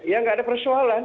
ya nggak ada persoalan